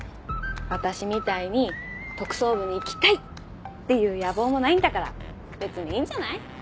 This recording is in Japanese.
私みたいに「特捜部に行きたい！」っていう野望もないんだから別にいいんじゃない？